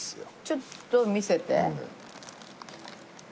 ちょっと見せて。